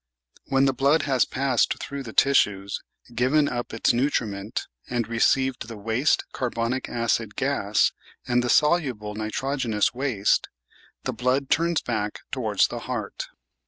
When the blood has passed through the tissues — given up its nutriment and received the waste carbonic acid gas and the soluble nitrogenous waste — ^the blood turns back towards the heart.